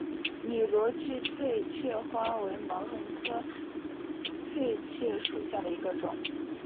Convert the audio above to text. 拟螺距翠雀花为毛茛科翠雀属下的一个种。